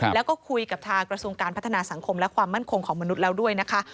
แล้วก็คุยกับทางกระทรวงการพัฒนาสังคมและความมั่นคงของมนุษย์แล้วด้วยนะคะ